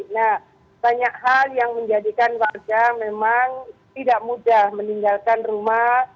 nah banyak hal yang menjadikan warga memang tidak mudah meninggalkan rumah